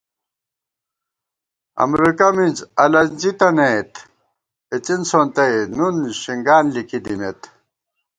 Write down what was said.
امرېکہ مِز الَنزِی تنَئیت، اِڅِن سونتَئ نُن شنگان لِکی دِمېت